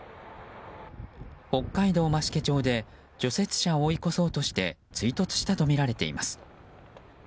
北海道増毛町で除雪車を追い越そうとして追突したとみられています。